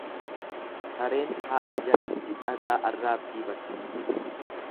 Sareen haadha jalatti dhagaa arraabbii barti.